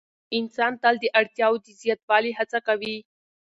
انسان تل د اړتیاوو د زیاتوالي هڅه کوي.